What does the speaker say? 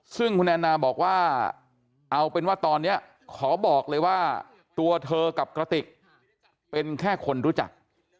ซึ่งคุณแอนนาบอกว่าเอาเป็นว่าตอนนี้ขอบอกเลยว่าตัวเธอกับกระติกเป็นแค่คนรู้จัก